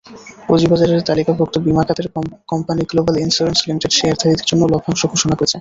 পুঁজিবাজারে তালিকাভুক্ত বিমা খাতের কোম্পানি গ্লোবাল ইনস্যুরেন্স লিমিটেড শেয়ারধারীদের জন্য লভ্যাংশ ঘোষণা করেছে।